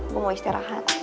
gue mau istirahat